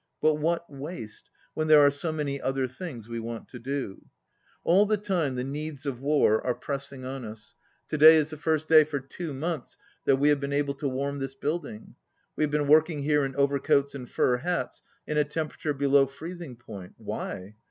But what waste, when there are so many other things we want to do I "All the time the needs of war are pressing on 101 us. To day is the first day for two months that we have been able to warm this building. We have been working here in overcoats and fur hats in a temperature below freezing point. Why?